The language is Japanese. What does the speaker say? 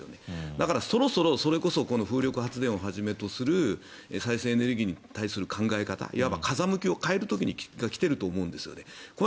だから、そろそろ、それこそこの風力発電をはじめとする再生可能エネルギーに対する考え方いわば風向きを変える時が来ていると思うんですよね。